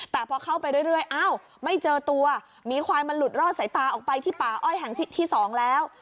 แต่พอเข้าไปเรื่อยอ้าวไม่เจอตัวหมีควายมันหลุดรอดสายตาออกไปที่ป่าอ้อยแห่งที่๒แล้ว